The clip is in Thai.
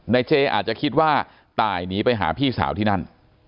เจอาจจะคิดว่าตายหนีไปหาพี่สาวที่นั่น